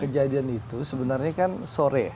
kejadian itu sebenarnya kan sore